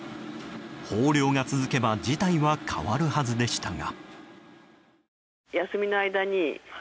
豊漁が続けば事態は変わるはずでしたが。